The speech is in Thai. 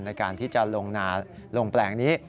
ในการที่จะลงนาลงแปลงนี้